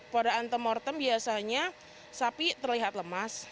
pada antemortem biasanya sapi terlihat lemas